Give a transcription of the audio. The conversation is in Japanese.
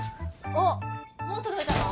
おっもう届いたの？